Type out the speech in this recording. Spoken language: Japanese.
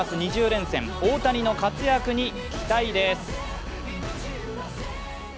２０連戦大谷の活躍に期待です。